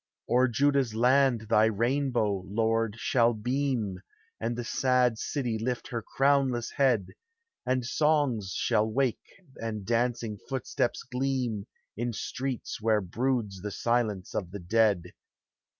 308 THE HIGHER LIFE. O'er Judah's land thy rainbow, Lord, shall beam, And the sad City lift her crownless head, And songs shall wake and dancing footsteps gleam In streets where broods the silence of the dead.